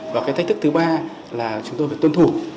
và cái thách thức thứ ba là chúng tôi phải tuân thủ